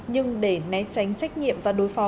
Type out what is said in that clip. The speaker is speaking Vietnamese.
nhưng để né tránh trách nhiệm và đối phó